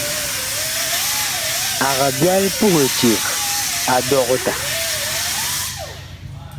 Ag byal puh eceg a dɔkta.